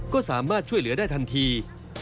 ก็สามารถช่วยเหลือได้ทันที